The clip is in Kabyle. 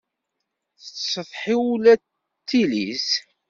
Tettsetḥi ula d tili-s